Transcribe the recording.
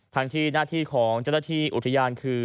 ทางที่หน้าที่ของจันทร์ที่อุทยันคือ